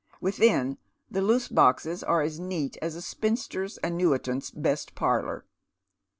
Within, the loose boxes are as neat as a spi nster annuitant's best parlour.